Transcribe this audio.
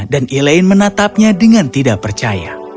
elaine menatapnya dengan tidak percaya